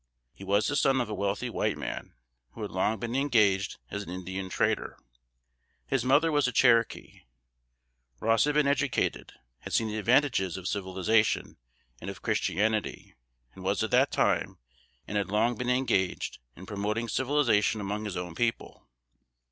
He was the son of a wealthy white man, who had long been engaged as an Indian trader. His mother was a Cherokee. Ross had been educated: had seen the advantages of civilization, and of Christianity, and was at the time, and had long been engaged, in promoting civilization among his own people.